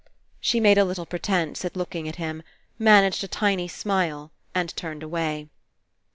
She made a little pretence at looking at 162 FINALE him, managed a tiny smile, and turned away.